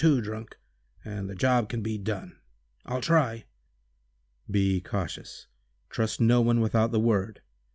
2 drunk, and the job can be done. I'll try." "Be cautious. Trust no one without the word.